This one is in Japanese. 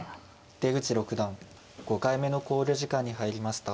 出口六段５回目の考慮時間に入りました。